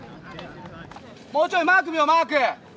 もうちょいマーク見ようマーク。